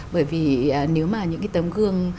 bởi vì nếu mà những cái tấm gương